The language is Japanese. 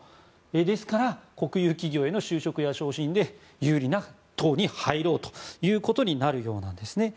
ですから、国有企業への就職や昇進に有利な党に入ろうということになるようなんですね。